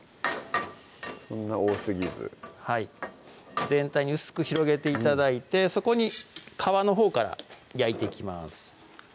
そんな多すぎずはい全体に薄く広げて頂いてそこに皮のほうから焼いていきます